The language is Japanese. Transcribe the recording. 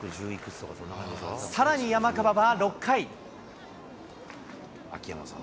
さらに山川は６回。